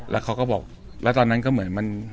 แล้วเขาก็บอกแล้วตอนนั้นก็เหมือนมัน